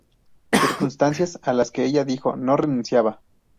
Circunstancias a las que ella, dijo, no renunciaba.